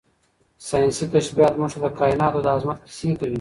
ساینسي کشفیات موږ ته د کائناتو د عظمت کیسې کوي.